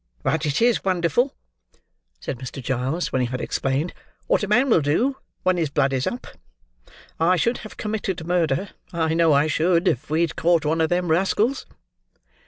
"But it's wonderful," said Mr. Giles, when he had explained, "what a man will do, when his blood is up. I should have committed murder—I know I should—if we'd caught one of them rascals."